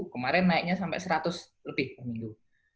kemarin naiknya sampai seratus lebih per minggu